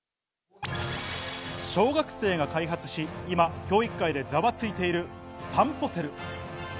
小学生が開発し、今、教育界でザワついている、さんぽセル。